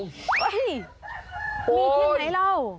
เฮ้ยมีที่ไหนเล่า